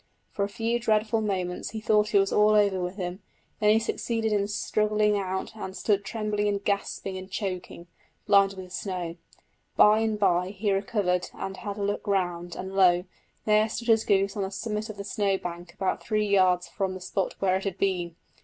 For a few dreadful moments he thought it was all over with him; then he succeeded in struggling out and stood trembling and gasping and choking, blinded with snow. By and bye he recovered and had a look round, and lo! there stood his goose on the summit of the snow bank about three yards from the spot where it had been!